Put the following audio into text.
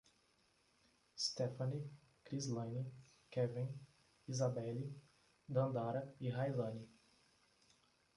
Stefane, Crislane, Keven, Isabelly, Dandara e Railane